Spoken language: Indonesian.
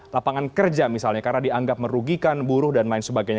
lapangan kerja misalnya karena dianggap merugikan buruh dan lain sebagainya